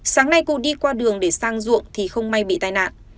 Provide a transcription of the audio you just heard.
sáng nay cụ đi qua đường để sang ruộng thì không may bị tai nạn